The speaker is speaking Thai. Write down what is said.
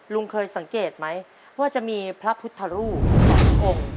ลุงเคยสังเกตไหมว่าจะมีพระพุทธรูปสององค์